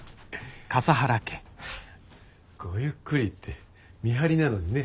ごゆっくりって見張りなのにね。